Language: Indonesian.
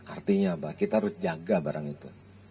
artinya apa kita harus jaga barang itu